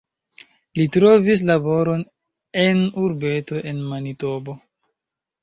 Li trovis laboron en urbeto en Manitobo.